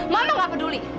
mama gak peduli